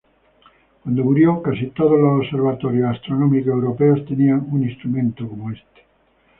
Cuando murió, casi todos los observatorios astronómicos europeos tenían un instrumento como este.